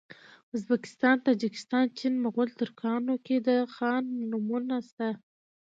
ازبکستان تاجکستان چین مغول ترکانو کي د خان نومونه سته